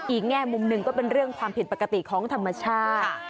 แง่มุมหนึ่งก็เป็นเรื่องความผิดปกติของธรรมชาติ